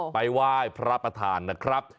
ไปไหว้พระประธานนะครับ